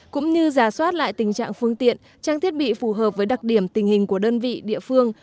cũng như giả soát lại tình trạng phương tiện trang thiết bị phù hợp với đặc điểm tình hình của đơn vị địa phương